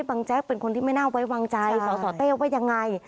แจ๊กเป็นคนที่ไม่น่าไว้วางใจสสเต้ว่ายังไง